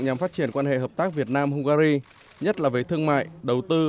nhằm phát triển quan hệ hợp tác việt nam hungary nhất là về thương mại đầu tư